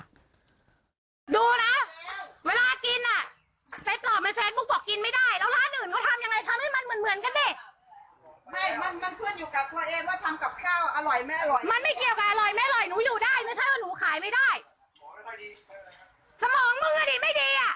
พร้อมอย่างนี้ได้อย่างไร